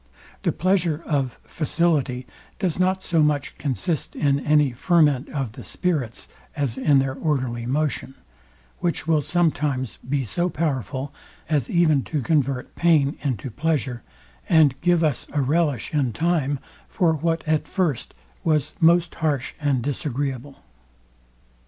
The pleasure of facility does not so much consist in any ferment of the spirits, as in their orderly motion; which will sometimes be so powerful as even to convert pain into pleasure, and give us a relish in time what at first was most harsh and disagreeable.